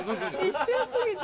一瞬過ぎて。